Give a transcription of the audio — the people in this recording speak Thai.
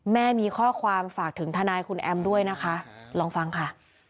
แม่มีข้อความฝากถึงทนายคุณแอมด้วยนะคะลองฟังค่ะ